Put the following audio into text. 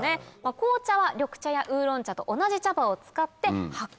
紅茶は緑茶やウーロン茶と同じ茶葉を使って発酵。